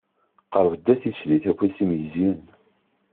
Qerb-d a tislit, afus-im yezyen.